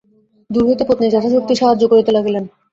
দূর হইতে পত্নী যথাশক্তি সাহায্য করিতে লাগিলেন।